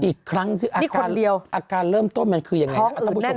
อีกครั้งซึ่งอาการเริ่มต้มมันคือยังไง